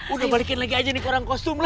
udah balikin lagi aja nih ke orang kostum lah